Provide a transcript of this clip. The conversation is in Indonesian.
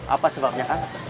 apa sebabnya kak